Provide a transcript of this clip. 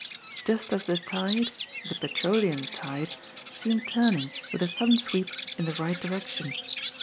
Just as the tide — ^the petroleum tide — seemed turning with a sudden sweep in the right direction.